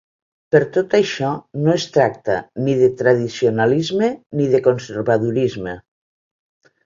Per tot això, no es tracta de tradicionalisme ni de conservadorisme.